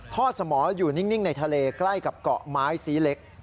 สมออยู่นิ่งในทะเลใกล้กับเกาะไม้ซีเล็ก